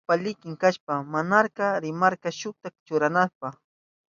Kamisan yapa liki kashpan mamanka rimarka shukta churarinanpa.